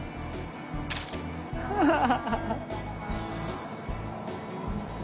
ハハハハ。